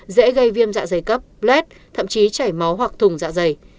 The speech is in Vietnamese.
dễ gây viêm dạ dày cấp blade thậm chí chảy máu hoặc thùng dạ dày